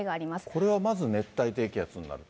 これがまず熱帯低気圧になる？